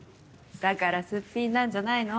だからすっぴんなんじゃないの？